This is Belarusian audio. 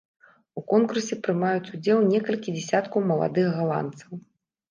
У конкурсе прымаюць удзел некалькі дзесяткаў маладых галандцаў.